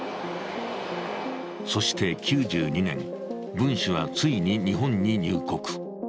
そして９２年、文氏はついに日本に入国。